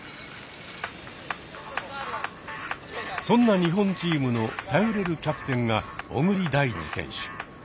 そんな日本チームの頼れるキャプテンが小栗大地選手。